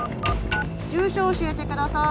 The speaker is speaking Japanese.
住所教えて下さい。